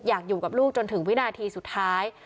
อยากอยู่กับลูกจนถึงวินาทีสุดท้าย